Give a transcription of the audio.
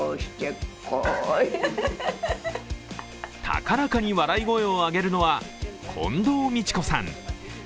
高らかに笑い声を上げるのは近藤美知子さん。